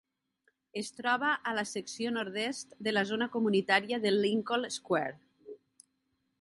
Es troba a la secció nord-est de la zona comunitària de Lincoln Square.